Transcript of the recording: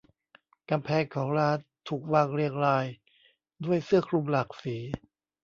กำแพงของร้านถูกวางเรียงรายด้วยเสื้อคลุมหลากสี